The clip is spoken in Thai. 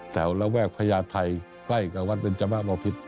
แถวละแวกพญาไทใกล้กับวัดเพร็ญจำนาปพิศ